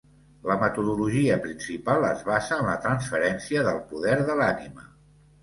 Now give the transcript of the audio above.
La metodologia principal es basa en la transferència del poder de l'ànima.